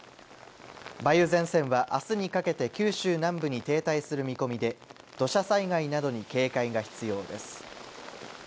梅雨前線はあすにかけて九州南部に停滞する見込みで、土砂災害などに警戒が必要です。